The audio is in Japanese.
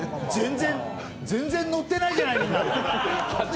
全然乗ってないじゃない、みんな。